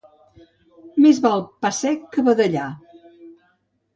Més val pa sec que badallar.